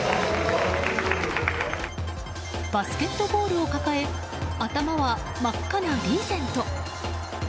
バスケットボールを抱え頭は真っ赤なリーゼント。